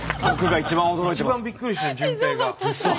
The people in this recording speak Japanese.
一番びっくりしてる淳平が。